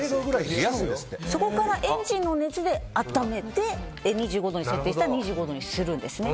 そこからエンジンの熱で温めて２５度に設定したら２５度にするんですね。